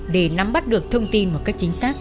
để nắm bắt được thông tin một cách chính xác